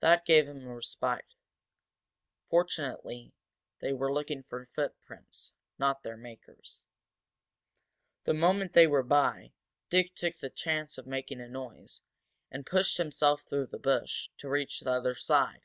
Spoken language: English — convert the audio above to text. That gave him a respite. Fortunately they were looking for footprints, not for their makers. The moment they were by, Dick took the chance of making a noise, and pushed through the bush, to reach the other side.